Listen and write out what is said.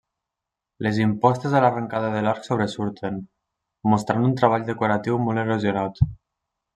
Les impostes a l'arrencada de l'arc sobresurten, mostrant un treball decoratiu molt erosionat.